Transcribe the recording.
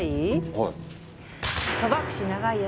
はい。